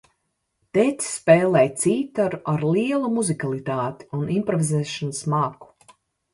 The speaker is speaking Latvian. Tētis spēlēja cītaru ar lielu muzikalitāti un improvizēšanas māku.